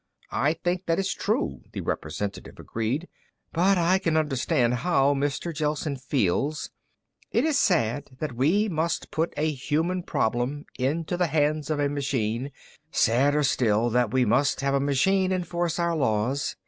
"I think that is true," the representative agreed. "But I can understand how Mr. Gelsen feels. It is sad that we must put a human problem into the hands of a machine, sadder still that we must have a machine enforce our laws.